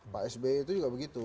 pak sby itu juga begitu